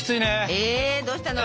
えどうしたの？